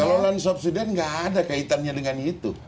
kalau land subsiden nggak ada kaitannya dengan itu